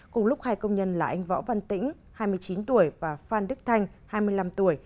cùng lúc hai công nhân là anh võ văn tĩnh hai mươi chín tuổi và phan đức thanh hai mươi năm tuổi